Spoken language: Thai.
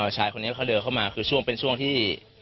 ชายคนนี้เขาเดินเข้ามาคือช่วงเป็นช่วงที่